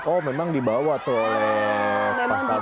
oh memang dibawa tuh oleh pas pas